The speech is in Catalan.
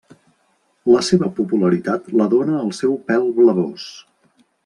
La seva popularitat la dóna el seu pèl blavós.